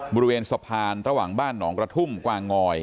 บริเวณสะพานระหว่างบ้านหนองกระทุ่มกวางงอย